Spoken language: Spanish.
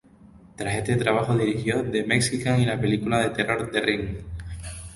Tras este trabajo, dirigió "The Mexican" y la película de terror "The Ring".